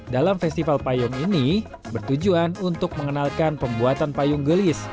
dalam festival payung ini bertujuan untuk mengenalkan pembuatan payung gelis